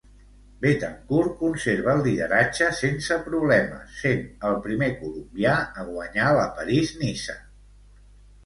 Betancur conserva el lideratge sense problemes, sent el primer colombià a guanyar la París-Niça.